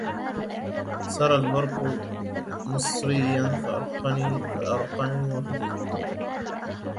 سرى البرق مصريا فأرقني وحدي